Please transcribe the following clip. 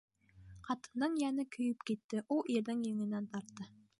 Ҡатындың йәне көйөп китте, ул ирҙең еңенән тартты.